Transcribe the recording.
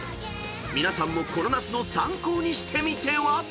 ［皆さんもこの夏の参考にしてみては？］